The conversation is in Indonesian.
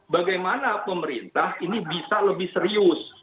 bagaimana pemerintah ini bisa lebih serius